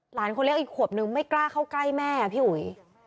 คนเล็กอีกขวบนึงไม่กล้าเข้าใกล้แม่พี่อุ๋ย